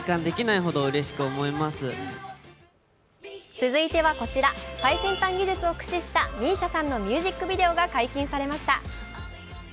続いてはこちら最先端技術を駆使したＭＩＳＩＡさんのミュージックビデオが解禁されました。